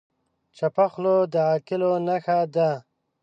چپه خوله، د عاقلو نښه ده.